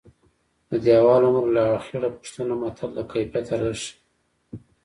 د دېوال عمر له اخېړه پوښته متل د کیفیت ارزښت ښيي